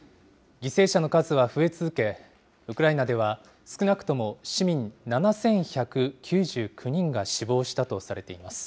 犠牲者の数は増え続け、ウクライナでは、少なくとも市民７１９９人が死亡したとされています。